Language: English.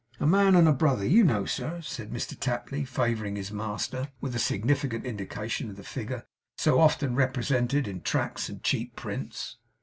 A man and a brother, you know, sir,' said Mr Tapley, favouring his master with a significant indication of the figure so often represented in tracts and cheap prints.